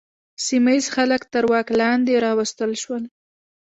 سیمه ییز خلک تر واک لاندې راوستل شول.